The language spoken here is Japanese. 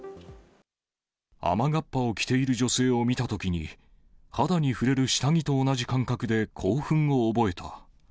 雨がっぱを着ている女性を見たときに、肌に触れる下着と同じ感覚で興奮を覚えた。